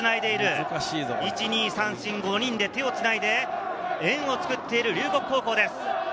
１、２、３、４、５人で手をつないで、円を作っている龍谷高校です。